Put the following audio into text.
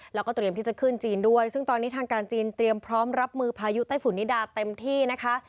แล้วก็เตรียมที่จะขึ้นจีนด้วยซึ่งตอนนี้ทางการจีนเตรียมพร้อมรับมือพายุไต้ฝุ่นนิดาเต็มที่นะคะ